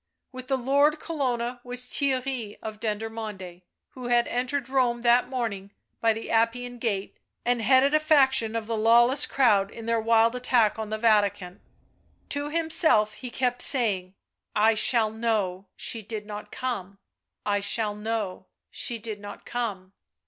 With the Lord Colonna was Theirry of Dendermonde, who had entered Rome that morning by the Appian Gate and headed a faction of the lawless crowd in their wild attack on the Vatican. To himself he kept saying : u I shall know, she did not come ; I shall know, she did not come."